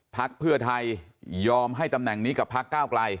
ภักคร์เพื่อไทยยอมให้ตำแหน่งนี้กับภักร์ก้าวกลัย